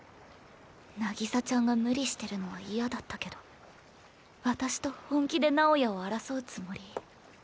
渚ちゃんが無理してるのは嫌だったけど私と本気で直也を争うつもり？